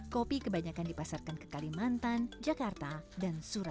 kopi kebanyakan dipasarkan ke kalimantan jakarta indonesia dan indonesia